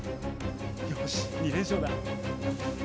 よし２連勝だ。